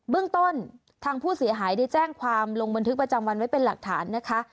เรื่องต้นทางผู้เสียหายได้แจ้งความลงบันทึกประจำวันไว้เป็นหลักฐานนะคะ